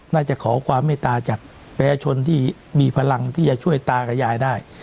น่าจะขอความเมตตาจากประชาชนที่มีพลังที่จะช่วยตากับยายได้